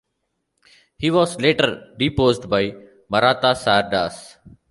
He was later deposed by Maratha Sardars.